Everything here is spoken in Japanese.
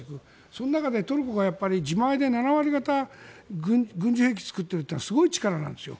その中でトルコが自前で７割がた軍事兵器を作っているってすごい力なんですよ。